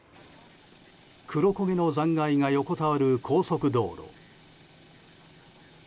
黒焦げの残骸が横たわる高速道路。